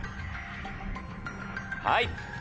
はい！